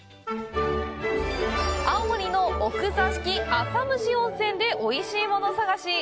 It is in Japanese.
青森の奥座敷、浅虫温泉でおいしいもの探し！